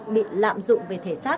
bị lạm dụng về thể xác